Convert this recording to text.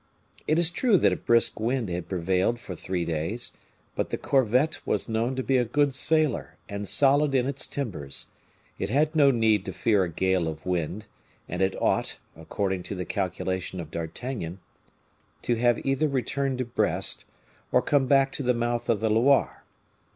It is true that a brisk wind had prevailed for three days; but the corvette was known to be a good sailer and solid in its timbers; it had no need to fear a gale of wind, and it ought, according to the calculation of D'Artagnan, to have either returned to Brest, or come back to the mouth of the Loire.